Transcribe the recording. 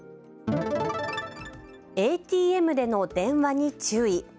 ＡＴＭでの電話に注意。